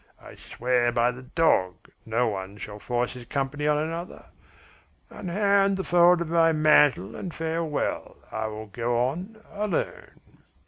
I swear by the dog no one shall force his company on another. Unhand the fold of my mantle, and farewell. I will go on alone."